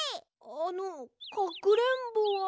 あのかくれんぼは？